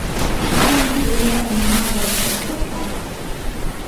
أعلنت ليلى أنّها ضابطة شرطة.